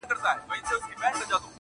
تر بار لاندي یې ورمات کړله هډونه-